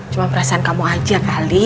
cuma perasaan kamu aja kali